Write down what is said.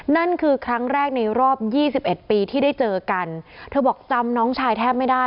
นั่นคือครั้งแรกในรอบยี่สิบเอ็ดปีที่ได้เจอกันเธอบอกจำน้องชายแทบไม่ได้